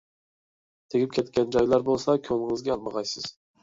تېگىپ كەتكەن جايلار بولسا كۆڭلىڭىزگە ئالمىغايسىز.